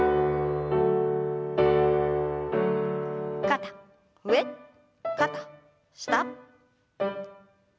肩上肩下。